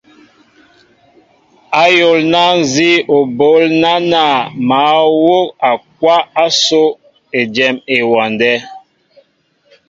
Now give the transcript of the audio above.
Ayólná nzí o ɓoól nánȃ mă wóʼakwáʼ ásó éjem ewándέ.